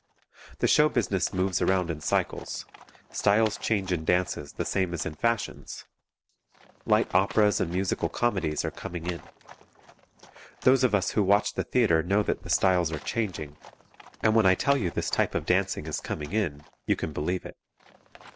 The show business moves around in cycles; styles change in dances the same as in fashions. Light operas and musical comedies are coming in. Those of us who watch the theatre know that the styles are changing, and when I tell you this type of dancing is coming in you can believe it.